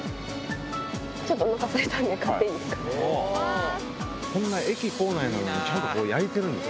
ちょっとおなかすいたんで、買っていいですか。